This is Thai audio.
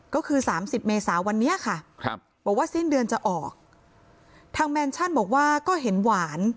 ก็คือสามสิบเมษาวันนี้ค่ะครับบอกว่าสิ้นเดือนจะออกทางแมนชั่นบอกว่าก็เห็นหวาน